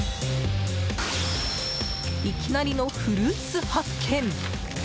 いきなりのフルーツ発見。